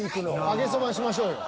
揚げそばしましょうよ。